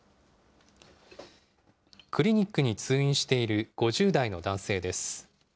クリニックに通院している５０代の男性です。